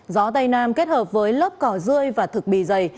gió tây nam kết hợp với lớp cỏ dươi và thực bì dày